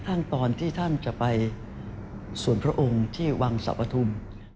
แม้กระทั่งตอนที่ท่านจะไปส่วนพระองค์ที่วังสัพทุม